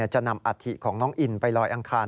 จะนำอัฐิของน้องอินไปลอยอังคาร